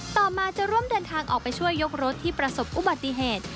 ต่อมาจะร่วมเดินทางออกไปช่วยยกรถที่ประสบอุบัติเหตุ